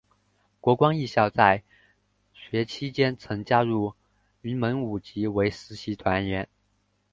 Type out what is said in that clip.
国光艺校在学期间曾加入云门舞集为实习团员。